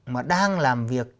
mà đang làm việc